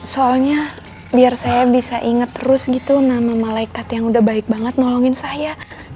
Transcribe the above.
soalnya biar saya bisa ingat terus gitu nama malaikat yang udah baik banget nolongin saya